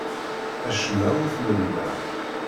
Acemma ur t-lemmdeɣ.